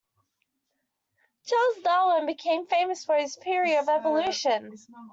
Charles Darwin became famous for his theory of evolution.